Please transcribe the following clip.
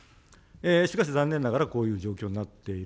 しかし残念ながらこういう状況になっている。